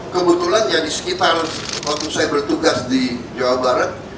kebetulan ya di sekitar waktu saya bertugas di jawa barat